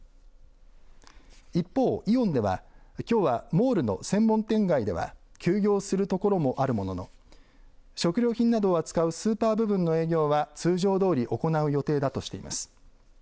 一方、イオンではきょうはモールの専門店街では休業するところもあるものの食料品などを扱うスーパー部分の営業は通常どおり行う予定だとしています。